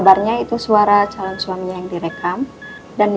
saya itu keramikan